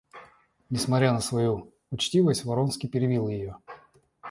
Несмотря на свою учтивость, Вронский перебил ее.